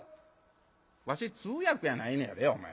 「わし通訳やないのやでお前。